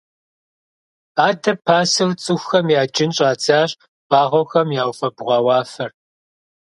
Адэ пасэу цӏыхухэм яджын щӏадзащ вагъуэхэм яуфэбгъуа уафэр.